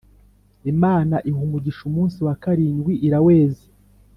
Imana iha umugisha umunsi wa karindwi iraweza